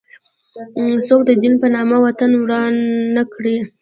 څوک د دین په نامه وطن وران نه کړي.